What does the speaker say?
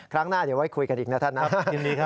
ครั้งหน้าเดี๋ยวไว้คุยกันอีกนะท่านนะยินดีครับ